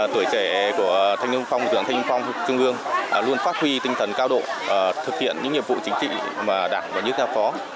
tuổi trẻ của thanh niên sung phong dưỡng thanh niên sung phong trung ương luôn phát huy tinh thần cao độ thực hiện những nhiệm vụ chính trị mà đảng và nhân dân ta có